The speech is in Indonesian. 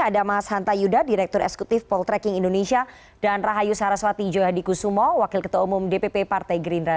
ada mas hanta yuda direktur eksekutif poltreking indonesia dan rahayu saraswati johadikusumo wakil ketua umum dpp partai gerindra